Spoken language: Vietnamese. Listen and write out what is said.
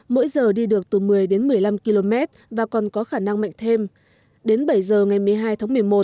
mỗi giờ đi được từ một mươi đến một mươi năm km và còn có khả năng mạnh thêm đến bảy giờ ngày một mươi hai tháng một mươi một